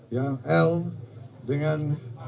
ya l dengan